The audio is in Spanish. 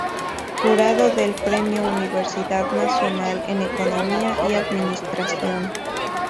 Jurado del premio Universidad Nacional en Economía y Administración.